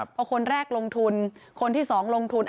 เพราะคนแรกลงทุนคนที่สองลงทุน